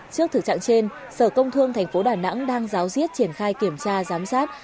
trước thực trạng trên sở công thương tp đà nẵng đang giáo diết triển khai kiểm tra giám sát